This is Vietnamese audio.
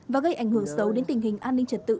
và gây ảnh hưởng xấu đến tình hình an ninh trật tự